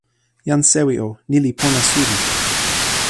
jan sewi o, ni li pona suli.